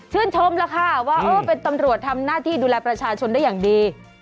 ชมแล้วค่ะว่าเป็นตำรวจทำหน้าที่ดูแลประชาชนได้อย่างดี